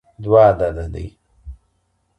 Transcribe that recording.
دوه عدد دئ.